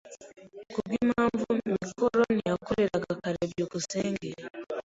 Kubwimpamvu mikoro ntiyakoraga kare. byukusenge